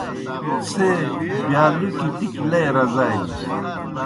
څھے بِیالُکِیْ ٹکیْ لئی رزالِس۔